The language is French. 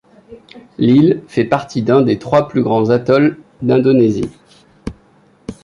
L'île fait partie d'un des trois plus grands atolls d'Indonésie.